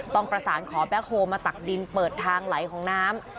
ต้องประสานขอแบ็คโฮลมาตักดินเปิดทางไหลของน้ำ